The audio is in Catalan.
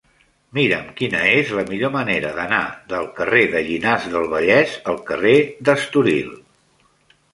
Mira'm quina és la millor manera d'anar del carrer de Llinars del Vallès al carrer d'Estoril.